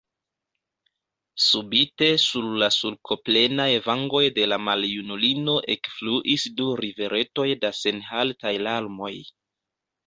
Subite sur la sulkoplenaj vangoj de la maljunulino ekfluis du riveretoj da senhaltaj larmoj.